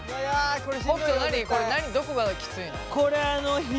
これ何どこがキツいの？